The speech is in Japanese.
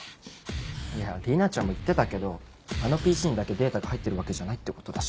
いや里奈ちゃんも言ってたけどあのＰＣにだけデータが入ってるわけじゃないってことだし。